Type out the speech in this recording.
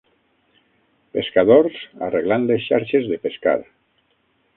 Pescadors arreglant les xarxes de pescar.